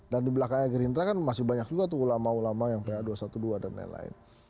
dan di belakangnya gerindra kan masih banyak juga tuh ulama ulama yang ph dua ratus dua belas dan lain lain